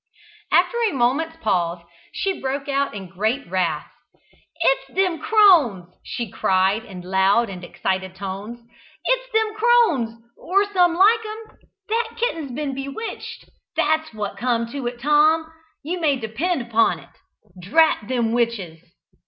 After a moment's pause she broke out in great wrath: "It's them crones!" she cried in loud and excited tones. "It's them crones, or some like 'em! That kitten's been bewitched that's what come to it, Tom, you may depend upon't. Drat them witches!"